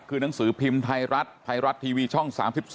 คือหนังสือพิมพ์ไทยรัฐไทยรัฐทีวีช่อง๓๒